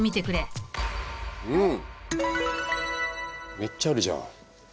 めっちゃあるじゃん。